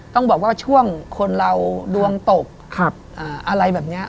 ต้องบอกว่าช่วงคนเราดวงตกอะไรแบบนี้